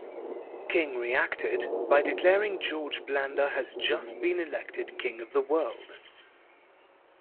King reacted by declaring George Blanda has just been elected King of the World!